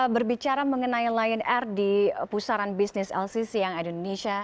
berbicara mengenai lion air di pusaran bisnis lcc yang ada di indonesia